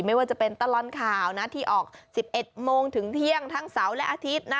ไม่ว่าจะเป็นตลอดข่าวนะที่ออก๑๑โมงถึงเที่ยงทั้งเสาร์และอาทิตย์นะ